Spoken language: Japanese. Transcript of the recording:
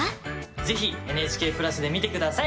是非ＮＨＫプラスで見て下さい。